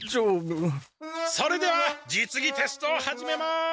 それではじつぎテストを始めます。